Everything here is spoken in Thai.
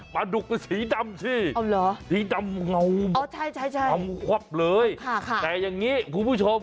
ปลาดุกก็สีดำสิสีดำเงาหมดควับเลยแต่อย่างนี้ครูผู้ชม